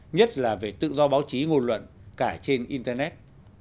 nhất là về tự do báo chí ngôn luận cả trên internet